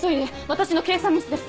私の計算ミスです！